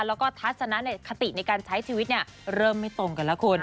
แล้วก็ทัศนคติในการใช้ชีวิตเริ่มไม่ตรงกันแล้วคุณ